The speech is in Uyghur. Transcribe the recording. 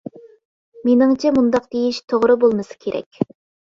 مېنىڭچە مۇنداق دېيىش توغرا بولمىسا كېرەك.